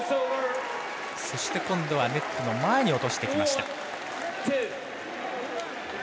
そして今度はネットの前に落としていきました。